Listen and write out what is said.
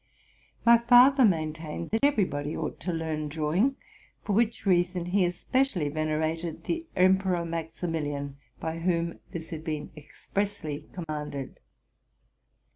My father maintained that everybody ought to learn drawing ; for which reason he especially venerated the Emperor Maxi milian, by whom this had been expressly commanded.